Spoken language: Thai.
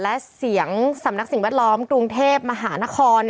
และเสียงสำนักสิ่งแวดล้อมกรุงเทพมหานคร